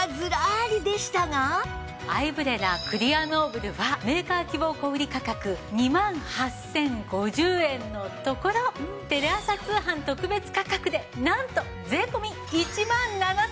アイブレラクリアノーブルはメーカー希望小売価格２万８０５０円のところテレ朝通販特別価格でなんと税込１万７８００円です！